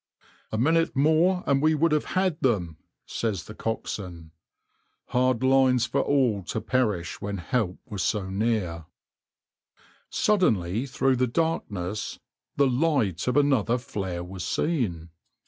"A minute more and we would have had them," says the coxswain. "Hard lines for all to perish when help was so near."\par Suddenly, through the darkness, the light of another flare was seen.